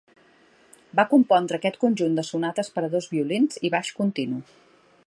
Va compondre aquest conjunt de sonates per a dos violins i baix continu.